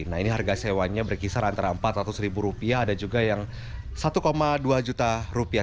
nah ini harga sewanya berkisar antara empat ratus ribu rupiah ada juga yang satu dua juta rupiah